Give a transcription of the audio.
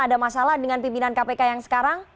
ada masalah dengan pimpinan kpk yang sekarang